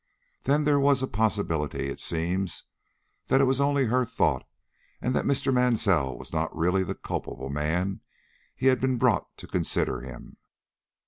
Then there was a possibility, it seems, that it was only her thought, and that Mr. Mansell was not really the culpable man he had been brought to consider him.